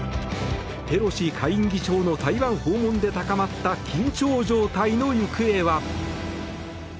ペロシ下院議長の台湾訪問で高まった緊張状態の行方は？